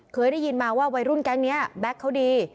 เคยได้ยินมาว่าวัยรุ่นแก๊งนี้แบ็คเขาดี